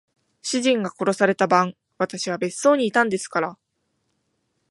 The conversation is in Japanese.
主人が殺された晩、私は別荘にいたんですから。